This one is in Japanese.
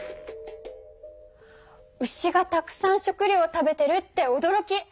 牛がたくさん食料食べてるっておどろき！